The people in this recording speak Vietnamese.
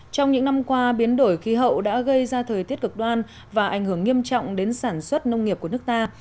trong những năm qua biến đổi khí hậu đã gây ra thời tiết cực đoan và ảnh hưởng nghiêm trọng đến sản xuất nông nghiệp của nước ta